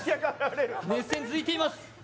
熱戦、続いています。